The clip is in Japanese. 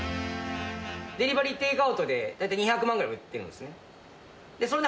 デリバリー、テイクアウトで、大体２００万ぐらい売ってるんですよね。